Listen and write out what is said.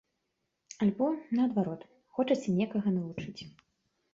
Альбо, наадварот, хочаце некага навучыць.